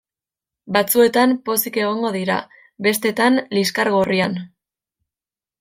Batzuetan pozik egongo dira; bestetan, liskar gorrian.